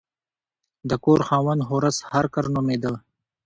د کور خاوند هورس هارکر نومیده.